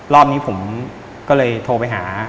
รอบนี้ผมก็เลยโทรไปหา